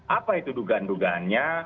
apa itu dugaan dugaannya